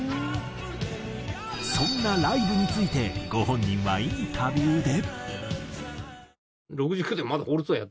そんなライブについてご本人はインタビューで。